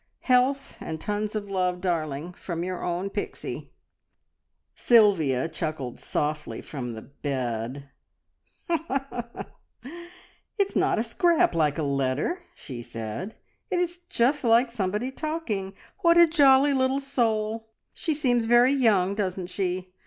Health, and tons of love, darling, from your own Pixie.'" Sylvia chuckled softly from the bed. "It's not a scrap like a letter," she said. "It is just like somebody talking. What a jolly little soul! She seems very young, doesn't she?